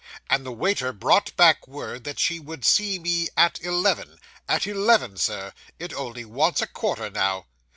'And the waiter brought back word, that she would see me at eleven at eleven, Sir; it only wants a quarter now.